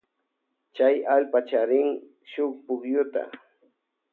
Chay allpaka charin shuk pukyuta.